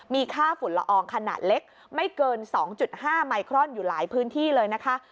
มีค่าฝุ่นละอองขนาดเล็กไม่เกิน๒๕ไมครอนอยู่หลายพื้นที่เลยนะคะ